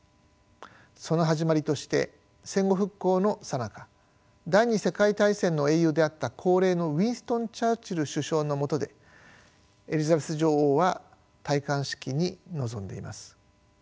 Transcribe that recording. その始まりとして戦後復興のさなか第２次世界大戦の英雄であった高齢のウィンストン・チャーチル首相のもとでエリザベス女王は戴冠式に臨んでいます。